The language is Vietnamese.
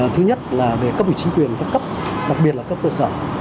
thứ nhất là về cấp vị chính quyền cấp cấp đặc biệt là cấp cơ sở